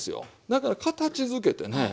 だから形づけてね